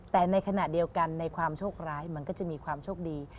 แต่ในขณะเดียวกันในความโชคร้ายมันก็จะมีความโชคดี